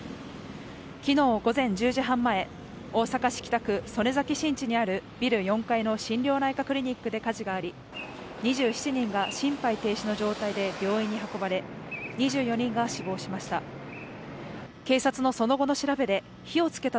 昨日午前１０時半前大阪市北区曽根崎新地にあるビル４階の心療内科クリニックで火事があり２７人が心肺停止の状態で病院に運ばれ２４人が死亡しました